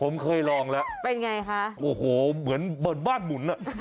ผมเคยลองละเป็นไงคะโอ้โฮเหมือนบ้านหมุน